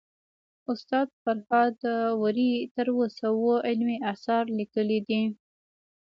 استاد فرهاد داوري تر اوسه اوه علمي اثار ليکلي دي